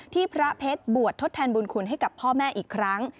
พระเพชรบวชทดแทนบุญคุณให้กับพ่อแม่อีกครั้ง